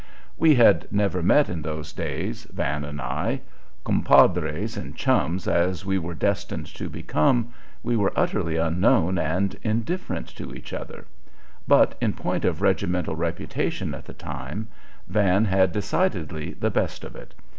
We had never met in those days, Van and I. "Compadres" and chums as we were destined to become, we were utterly unknown and indifferent to each other; but in point of regimental reputation at the time, Van had decidedly the best of it.